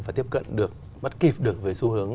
và tiếp cận được bắt kịp được với xu hướng